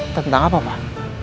tentang apa pak